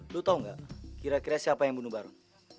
lu tau gak kira kira siapa yang bunuh baron